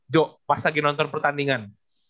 jo pas lagi nonton pertandingan